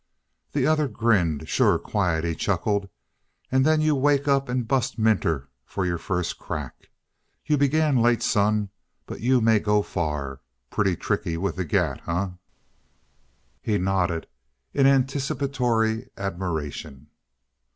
The other grinned. "Sure quiet," he chuckled. "And then you wake up and bust Minter for your first crack. You began late, son, but you may go far. Pretty tricky with the gat, eh?" He nodded in anticipatory admiration.